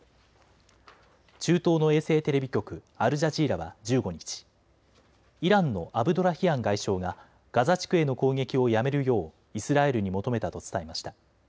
中東の衛星テレビ局、アルジャジーラは１５日、イランのアブドラヒアン外相がガザ地区への攻撃をやめるようイスラエルに求めたと伝えました。